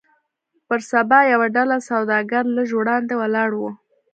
پر سبا يوه ډله سوداګر لږ وړاندې ولاړ وو.